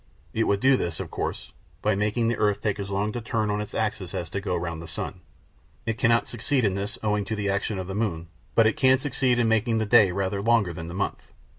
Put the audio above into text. It would do this, of course, by making the earth take as long to turn on its axis as to go round the sun. It cannot succeed in this, owing to the action of the moon, but it can succeed in making the day rather longer than the month.